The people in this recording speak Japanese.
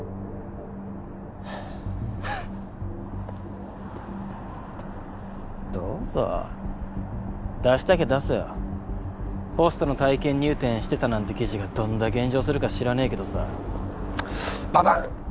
はぁふっどうぞ出したきゃ出せよホストの体験入店してたなんて記事がどんだけ炎上するか知らねぇけどさババン！